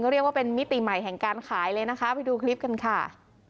เรียกว่าเป็นมิติใหม่แห่งการขายเลยนะคะไปดูคลิปกันค่ะ